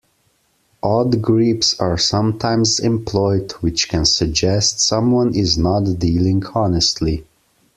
Odd grips are sometimes employed, which can suggest someone is not dealing honestly.